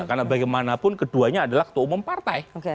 karena bagaimanapun keduanya adalah ketua umum partai